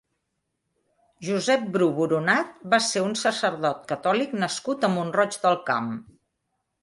Josep Bru Boronat va ser un sacerdot catòlic nascut a Mont-roig del Camp.